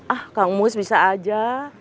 ah kang mus bisa aja